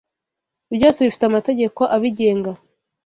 byose bifite amategeko abigenga